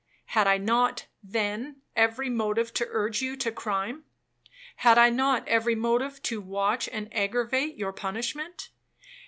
Had I not, then, every motive to urge you to crime? Had I not every motive to watch and aggravate your punishment?